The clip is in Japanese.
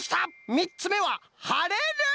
みっつめは「はれる」！